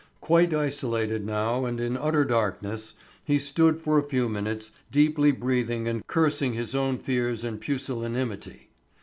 Quite isolated now and in utter darkness, he stood for a few minutes deeply breathing and cursing his own fears and pusillanimity.